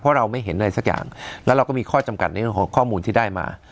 เพราะเราไม่เห็นอะไรสักอย่างแล้วเราก็มีข้อจำกัดในเรื่องของข้อมูลที่ได้มา